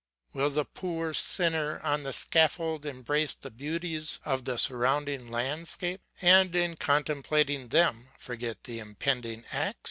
Will the poor sinner on the scaffold embrace the beauties of the surrounding land scape, and in contemplating them forget the impending axe?